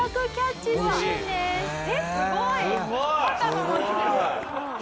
すごい！